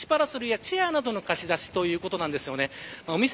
ビーチパラソルやチェアなどの貸し出しということです。